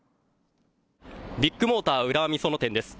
ビッグモーター浦和美園店です。